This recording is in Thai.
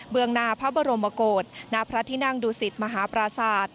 เบื้องหน้าพระบรมโปรดณพระทินังดูศิษย์มหาปราสาท